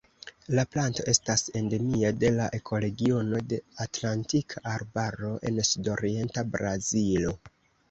La planto estas endemia de la ekoregiono de Atlantika Arbaro en sudorienta Brazilo.